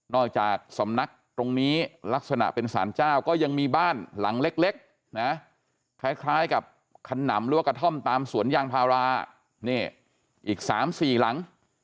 จากสำนักตรงนี้ลักษณะเป็นสารเจ้าก็ยังมีบ้านหลังเล็กนะคล้ายกับขนำหรือว่ากระท่อมตามสวนยางพารานี่อีก๓๔หลัง